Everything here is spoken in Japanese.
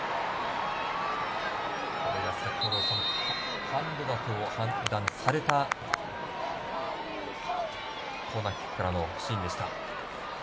先ほどハンドだと判断されたコーナーキックからのシーンでした。